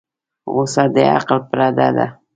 غوسه د عقل پرده ده.